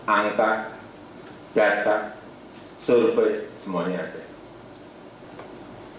angka data survei semuanya ada